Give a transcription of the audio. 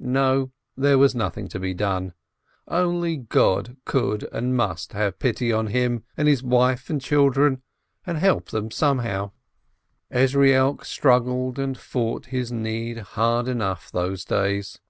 No, there was nothing to be done. Only God could and must have pity on him and his wife and children, and help them somehow. Ezrielk struggled and fought his need hard enough those days.